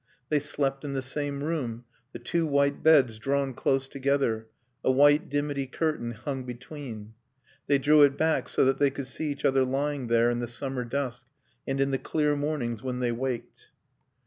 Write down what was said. They slept in the same room, the two white beds drawn close together; a white dimity curtain hung between; they drew it back so that they could see each other lying there in the summer dusk and in the clear mornings when they waked.